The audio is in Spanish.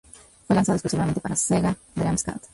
Fue lanzado exclusivamente para Sega Dreamcast.